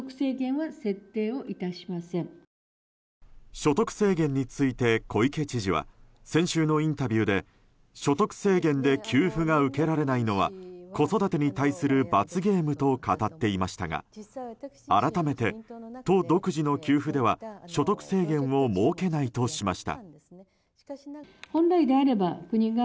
所得制限について小池知事は先週のインタビューで所得制限で給付が受けられないのは子育てに対する罰ゲームと語っていましたが改めて都独自の給付では所得制限を設けないとしました。